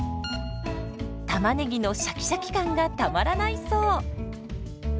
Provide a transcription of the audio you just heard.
たまねぎのシャキシャキ感がたまらないそう。